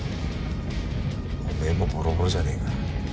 おめぇもボロボロじゃねぇか。